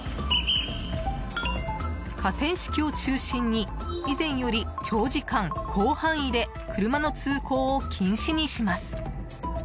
河川敷を中心に以前より長時間広範囲で車の通行を禁止にします。